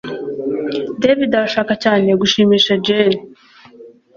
David arashaka cyane gushimisha Jane